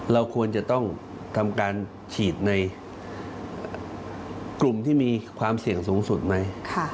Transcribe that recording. เราควรจะต้องทำการฉีดในกลุ่มที่มีความเสี่ยงสูงสุดไหม